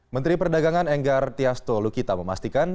menteri perdagangan enggar tias toluki tak memastikan